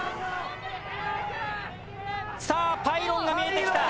さあパイロンが見えてきた。